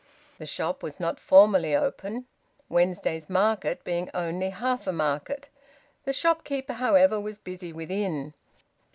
The shop was not formally open Wednesday's market being only half a market. The shopkeeper, however, was busy within.